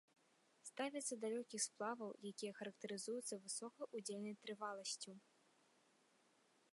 Ставяцца да лёгкіх сплаваў, якія характарызуюцца высокай удзельнай трываласцю.